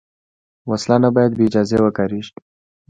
وسله نه باید بېاجازه وکارېږي